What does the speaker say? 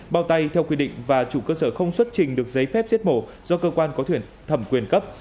bao tay theo quy định và chủ cơ sở không xuất trình được giấy phép giết mổ do cơ quan có thẩm quyền cấp